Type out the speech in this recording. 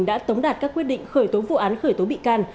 đã tống đạt các quyết định khởi tố vụ án khởi tố bị can